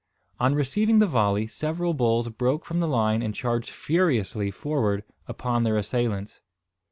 On receiving the volley, several bulls broke from the line and charged furiously forward upon their assailants.